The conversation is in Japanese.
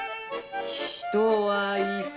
「人はいさ」。